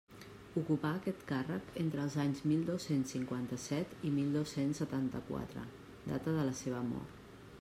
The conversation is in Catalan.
Ocupà aquest càrrec entre els anys mil dos-cents cinquanta-set i mil dos-cents setanta-quatre, data de la seva mort.